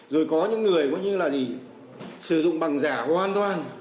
rồi có những người có như là sử dụng bằng giả hoàn toàn